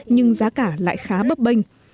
nhưng giá cả lại khá bấp bênh